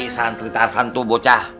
santri tarvantu bocah